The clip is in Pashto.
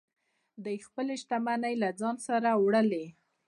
دوی خپلې شتمنۍ له ځان سره وړلې